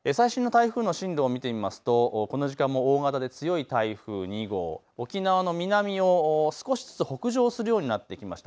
最新の台風の進路を見ていきますとこの時間も大型で強い台風２号、沖縄の南を少しずつ北上するようになってきました。